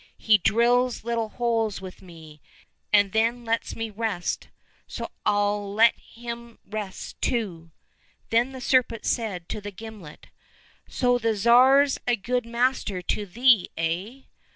He drills little holes with me, and then lets me rest ; so I'll let him rest too." — Then the serpent said to the gimlet, " So the Tsar's a good master to thee, eh